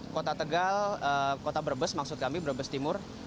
kota tegal kota brebes maksud kami brebes timur